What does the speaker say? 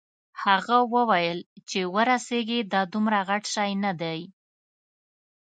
هغه وویل چې ورسیږې دا دومره غټ شی نه دی.